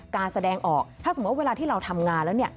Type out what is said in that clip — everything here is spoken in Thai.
การแสดงออกถ้าสมมุติเวลาที่เราทำงานแล้วเนี่ย